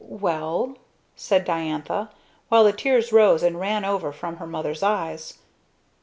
"Well?" said Diantha, while the tears rose and ran over from her mother's eyes.